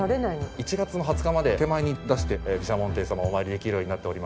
１月の２０日まで手前に出して毘沙門天様をお参りできるようになっております。